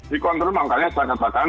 di kontrol makanya sangat patah